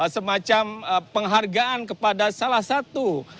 semacam penghargaan kepada salah satu